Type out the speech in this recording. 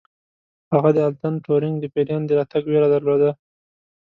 هغه د الن ټورینګ د پیریان د راتګ ویره درلوده